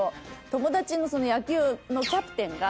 友達の野球のキャプテンが。